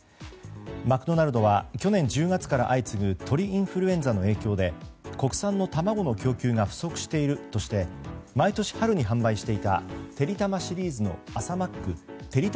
マクドナルドは去年１０月から相次ぐ鳥インフルエンザの影響で国産の卵の供給が不足しているとして毎年春に販売していたてりたまシリーズの朝マックてりた